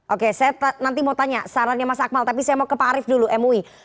oke saya nanti mau tanya sarannya mas akmal tapi saya mau ke pak arief dulu mui